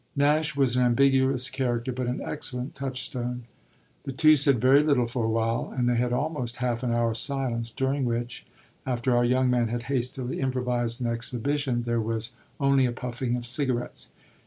Nash was an ambiguous character but an excellent touchstone. The two said very little for a while, and they had almost half an hour's silence, during which, after our young man had hastily improvised an exhibition, there was only a puffing of cigarettes.